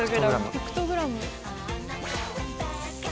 「ピクトグラム」。